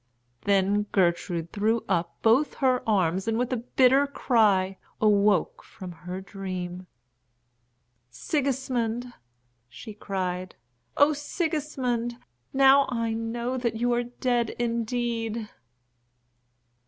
Then Gertrude threw up both her arms and with a bitter cry awoke from her dream. "Sigismund!" she cried. "Oh, Sigismund! Now I know that you are dead indeed."